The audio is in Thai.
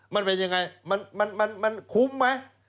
มันเป็นยังไงมันคุ้มไหม